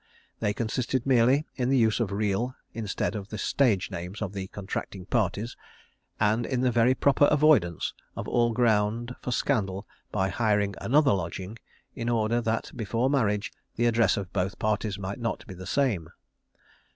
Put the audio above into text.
They consisted merely in the use of the real, instead of the stage names of the contracting parties, and in the very proper avoidance of all ground for scandal by hiring another lodging, in order that before marriage the address of both parties might not be the same.